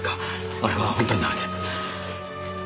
あれは本当にダメです。